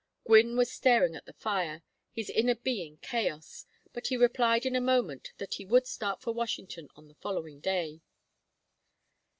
Gwynne was staring at the fire, his inner being chaos, but he replied in a moment that he would start for Washington on the following day.